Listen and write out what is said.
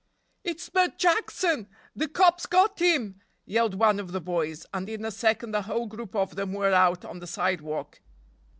"It's Bert Jackson! De cops got 'im!" yelled one of the boys, and in a second the whole group of them were out on the sidewalk.